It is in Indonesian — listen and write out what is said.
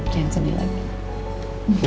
jangan sedih lagi